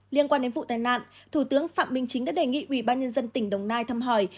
liên quan đến vụ tai nạn thủ tướng phạm minh chính đã đề nghị ubnd tỉnh đồng nai thăm hỏi